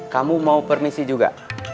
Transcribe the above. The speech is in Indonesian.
kamu mau permisi juga